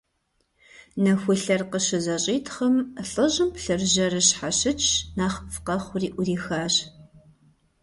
Нэхулъэр къыщызэщӀитхъым, лӏыжьым плъыржьэрыр щхьэщыкӀщ, нэхъыфӀ къэхъури Ӏурихащ.